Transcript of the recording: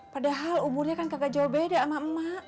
padahal umurnya kan kagak jauh beda sama emak